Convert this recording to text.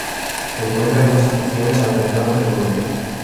Se encuentra en muchas regiones alrededor del mundo.